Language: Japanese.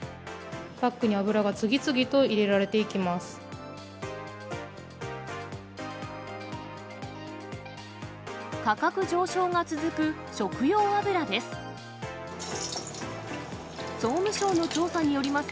パックに油が次々と入れられ価格上昇が続く食用油です。